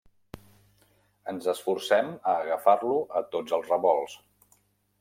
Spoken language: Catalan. Ens esforcem a agafar-lo a tots els revolts.